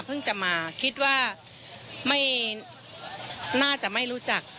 พึ่งจะมาคิดว่าน่าจะไม่รู้จัก